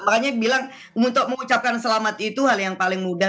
makanya bilang untuk mengucapkan selamat itu hal yang paling mudah